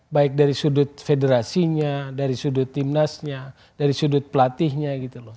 baik dari sudut federasinya dari sudut timnasnya dari sudut pelatihnya gitu loh